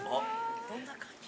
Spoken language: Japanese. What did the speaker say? どんな感じ？